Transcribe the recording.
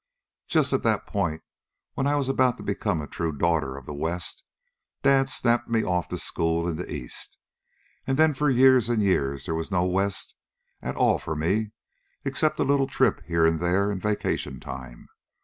"Just at that point, when I was about to become a true daughter of the West, Dad snapped me off to school in the East, and then for years and years there was no West at all for me except a little trip here and there in vacation time.